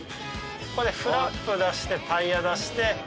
フラップ出してタイヤ出して。